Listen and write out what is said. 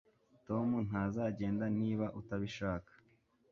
Tom ntazagenda niba utabishaka